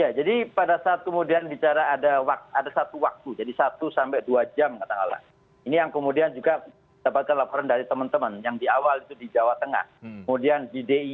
ya jadi pada saat kemudian bicara ada satu waktu jadi satu sampai dua jam katakanlah ini yang kemudian juga dapatkan laporan dari teman teman yang di awal itu di jawa tengah kemudian di